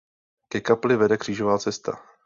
Ke kapli vede křížová cesta.